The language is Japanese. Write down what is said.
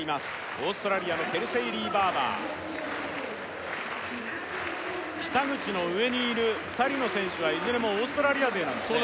オーストラリアのケルシーリー・バーバー北口の上にいる２人の選手はいずれもオーストラリア勢なんですね